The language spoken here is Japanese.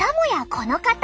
この方！